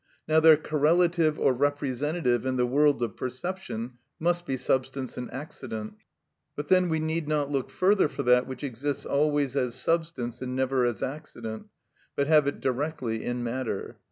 Now their correlative or representative in the world of perception must be substance and accident. But then we need not look further for that which exists always as substance and never as accident, but have it directly in matter.